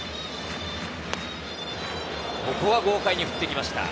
ここは豪快に振っていきました。